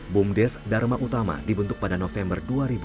bumdes dharma utama dibentuk pada november dua ribu dua puluh